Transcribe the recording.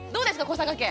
古坂家。